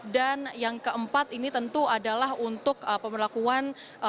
dan yang keempat ini tentu adalah untuk pemberlakuan